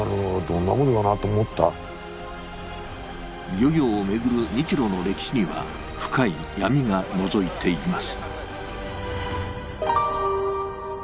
漁業を巡る日ロの歴史には深い闇がのぞいています。